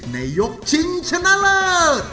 ในยกชิงชนะเลิศ